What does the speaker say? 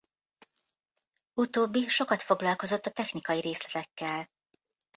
Utóbbi sokat foglalkozott a technikai részletekkel.